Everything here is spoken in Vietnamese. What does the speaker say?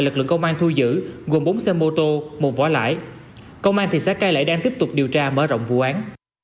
của công an thu giữ gồm bốn xe mô tô một vỏ lãi công an thị xã cai lậy đang tiếp tục điều tra mở rộng vụ án